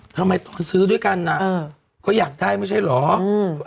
ทำไมตอนซื้อด้วยกันอ่ะเออก็อยากได้ไม่ใช่เหรออืม